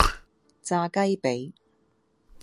炸雞髀